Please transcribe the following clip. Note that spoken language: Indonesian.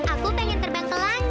aku pengen terbang ke langit